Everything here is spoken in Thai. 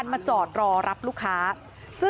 นี่